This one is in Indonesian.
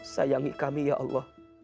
sayangi kami ya allah